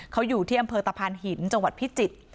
เขาอยู่ที่อำเภอตะพานหินจังหวัดพิจิตร